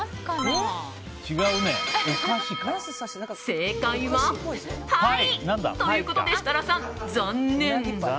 正解は、パイ。ということで設楽さん、残念。